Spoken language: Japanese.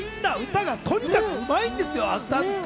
みんな、とにかく歌がうまいんですよ。